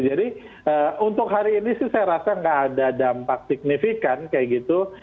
jadi untuk hari ini sih saya rasa nggak ada dampak signifikan kayak gitu